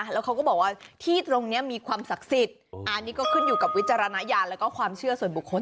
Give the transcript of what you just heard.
แล้วเขาก็บอกว่าที่ตรงนี้มีความศักดิ์สิทธิ์อันนี้ก็ขึ้นอยู่กับวิจารณญาณแล้วก็ความเชื่อส่วนบุคคล